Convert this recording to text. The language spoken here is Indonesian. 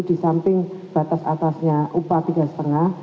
disamping batas atasnya upah minimumnya